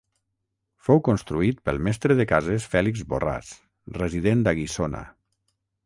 Fou construït pel mestre de cases Fèlix Borràs resident a Guissona.